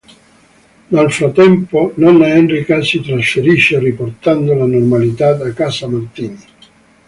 Nel frattempo Nonna Enrica si trasferisce, riportando la normalità a casa Martini.